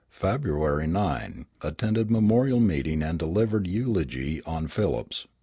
February 9. Attended memorial meeting and delivered eulogy on Phillips.